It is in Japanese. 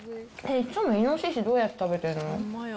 いつもイノシシどうやって食べてるの？